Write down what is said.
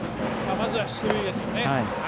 まずは出塁ですよね。